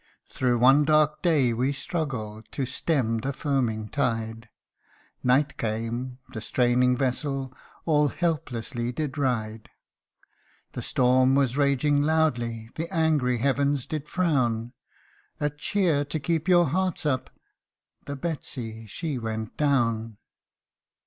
Thro 1 one dark day we struggled To stem the foaming tide ; Night came the straining vessel All helplessly did ride. THE BOATSWAIN'S SONG. The storm was raging loudly, The angry heavens did frown A cheer to keep your hearts up The Betsey, she went down